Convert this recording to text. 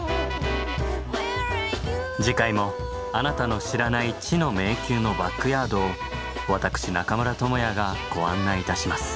次回もあなたの知らない「知の迷宮のバックヤード」を私中村倫也がご案内いたします。